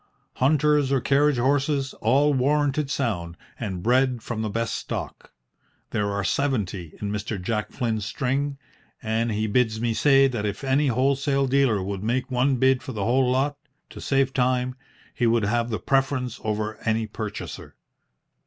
Hunters or carriage horses, all warranted sound, and bred from the best stock. There are seventy in Mr. Jack Flynn's string, and he bids me say that if any wholesale dealer would make one bid for the whole lot, to save time, he would have the preference over any purchaser."